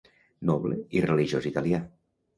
Noble i religiós italià.